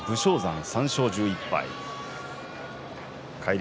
武将山、３勝１１敗帰り